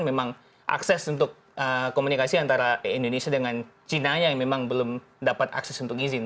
memang akses untuk komunikasi antara indonesia dengan china yang memang belum dapat akses untuk izin